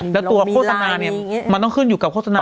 แล้วตัวโฆษณาเนี่ยมันต้องขึ้นอยู่กับโฆษณา